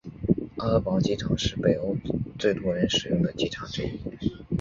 奥尔堡机场是北欧最多人使用的机场之一。